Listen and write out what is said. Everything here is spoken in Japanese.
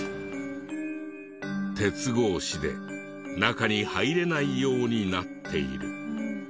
鉄格子で中に入れないようになっている。